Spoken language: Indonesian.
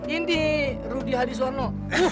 ini rudy hadiswarno